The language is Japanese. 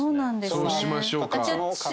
そうしましょうか。